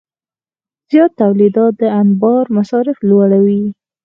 زیات تولید د انبار مصارف لوړوي.